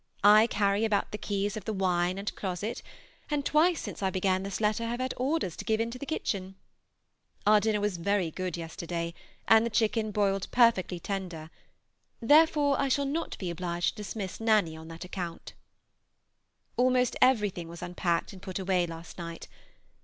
I carry about the keys of the wine and closet, and twice since I began this letter have had orders to give in the kitchen. Our dinner was very good yesterday, and the chicken boiled perfectly tender; therefore I shall not be obliged to dismiss Nanny on that account. Almost everything was unpacked and put away last night.